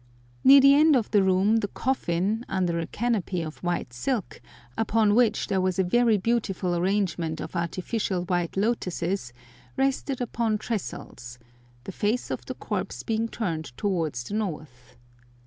Near the end of the room the coffin, under a canopy of white silk, upon which there was a very beautiful arrangement of artificial white lotuses, rested upon trestles, the face of the corpse being turned towards the north.